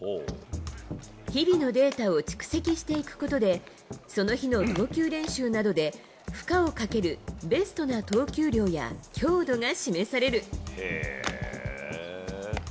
日々のデータを蓄積していくことで、その日の投球練習などで、負荷をかけるベストな投球量や強度が示される。